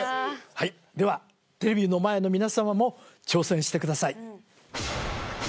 はいではテレビの前の皆様も挑戦してください